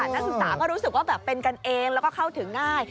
นักศึกษาก็รู้สึกว่าแบบเป็นกันเองแล้วก็เข้าถึงง่าย